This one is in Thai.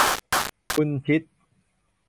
บุญชิต